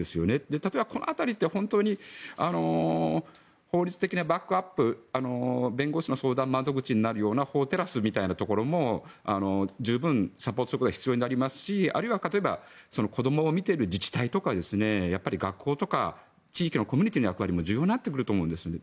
例えばこの辺りって本当に法律的なバックアップ弁護士の相談窓口になるような法テラスみたいなところも十分サポートすることが必要になりますしあるいは例えば子どもを見ている自治体とか学校とか地域のコミュニティーの役割も重要になってくると思うんですよね。